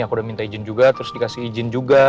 aku udah minta izin juga terus dikasih izin juga